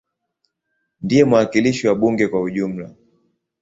Ndiye mwakilishi wa bunge kwa ujumla.